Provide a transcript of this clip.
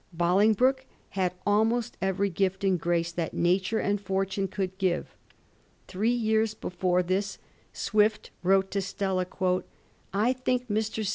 Bolingbroke had almost every gift and grace that nature and fortune could give. Three years before this Swift wrote to Stella, *I think Mr. St.